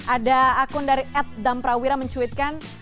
ada akun dari atdamprawira mencuitkan